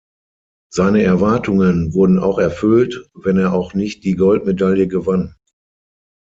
Seine Erwartungen wurden auch erfüllt, wenn er auch nicht die Goldmedaille gewann.